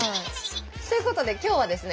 ということで今日はですね